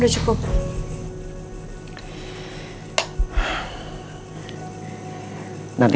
sampai jumpa lagi